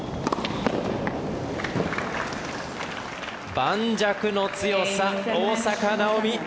盤石の強さ、大坂なおみ。